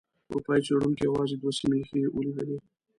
اروپایي څېړونکو یوازې دوه سیمې ښه ولیدلې.